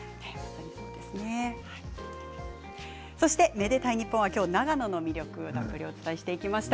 「愛でたいｎｉｐｐｏｎ」は長野の魅力をお伝えしていきました。